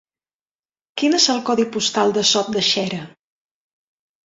Quin és el codi postal de Sot de Xera?